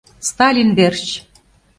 Сталин верч!